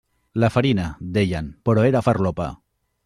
La farina, deien, però era farlopa.